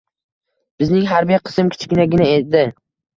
Bizning harbiy qism kichkinagina edi.